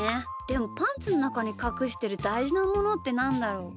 でもパンツのなかにかくしてるだいじなものってなんだろう？